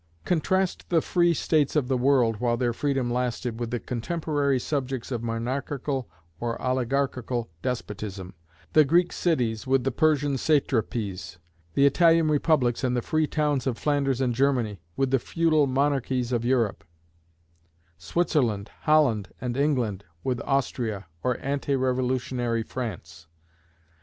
Contrast the free states of the world, while their freedom lasted, with the cotemporary subjects of monarchical or oligarchical despotism: the Greek cities with the Persian satrapies; the Italian republics and the free towns of Flanders and Germany, with the feudal monarchies of Europe; Switzerland, Holland, and England, with Austria or ante revolutionary France.